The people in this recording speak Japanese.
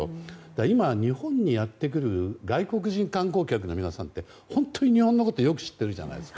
今、日本にやってくる外国人観光客の皆さんって本当に日本のことよく知ってるじゃないですか。